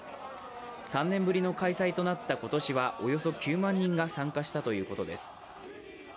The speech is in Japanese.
３年ぶりの開催となった今年はおよそ９万人が参加したということです。